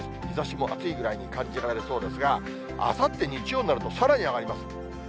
日ざしも暑いくらいに感じられそうですが、あさって日曜になると、さらに上がります。